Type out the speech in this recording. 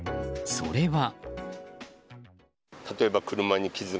それは。